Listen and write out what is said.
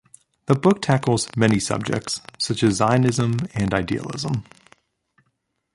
The book tackles many subjects, such as Zionism and idealism.